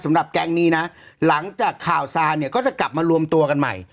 แก๊งนี้นะหลังจากข่าวซานเนี่ยก็จะกลับมารวมตัวกันใหม่